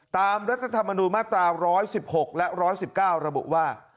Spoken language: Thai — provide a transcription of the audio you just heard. รัฐธรรมนูญมาตรา๑๑๖และ๑๑๙ระบุว่า